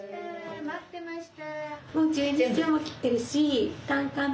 待ってました。